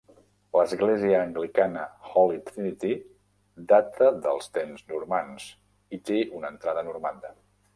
L'església anglicana Holy Trinity data dels temps normands i té una entrada normanda.